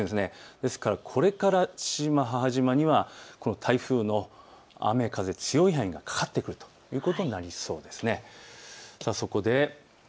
ですから、これから父島、母島にはこの台風の雨風の強い範囲がかかってくるということになりそうです。